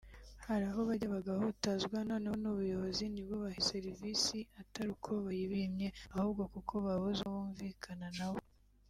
Hari aho bajya bagahutazwa noneho n’ubuyobozi ntibubahe serivisi atari uko bayibimye ahubwo kuko babuze uko bumvikana nawe